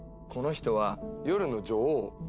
この人は「夜の女王」。